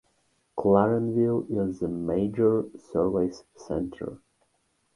Clarenville is the major service centre.